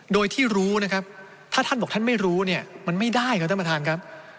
โดยที่รู้นะครับถ้าท่านบอกท่านไม่รู้เนี่ยมันไม่ได้ครับท่านประธานครับ